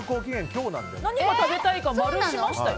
何が食べたいか丸しましたよ。